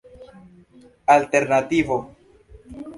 alternativo